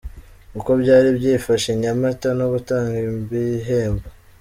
Uko byari byifashe i Nyamata no gutanga ibihembo.